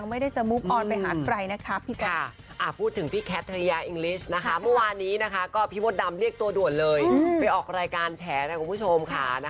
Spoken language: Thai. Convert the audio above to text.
เมื่อวานนี้ก็พี่บทดำเรียกตัวด่วนเลยไปออกรายการแชร์นะครับคุณผู้ชมค่ะ